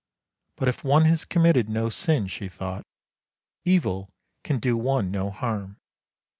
' But if one has committed no sin,' she thought, ' evil can do one no harm.